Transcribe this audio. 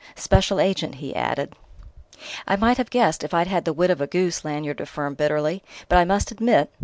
"Special agent," he added. "I might have guessed, if I'd had the wit of a goose!" Lanyard affirmed bitterly. "But I must admit..."